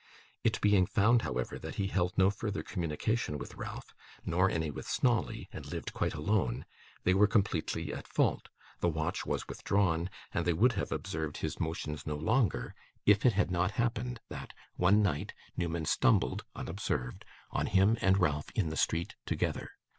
It being found, however, that he held no further communication with Ralph, nor any with Snawley, and lived quite alone, they were completely at fault; the watch was withdrawn, and they would have observed his motions no longer, if it had not happened that, one night, Newman stumbled unobserved on him and Ralph in the street together.